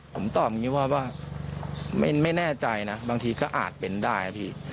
ผมตอบอย่างนี้ว่าไม่แน่ใจนะบางทีก็อาจเป็นได้นะพี่